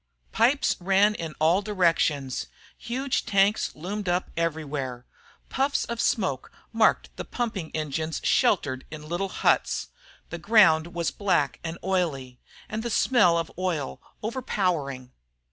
Pipes ran in all directions; huge tanks loomed up everywhere; puffs of smoke marked the pumping engines sheltered in little huts; the ground was black and oily, and the smell of oil overpowering.